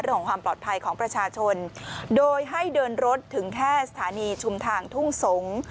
ของความปลอดภัยของประชาชนโดยให้เดินรถถึงแค่สถานีชุมทางทุ่งสงศ์